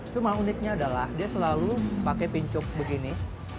cuma uniknya adalah dia selalu pakai pincuk begini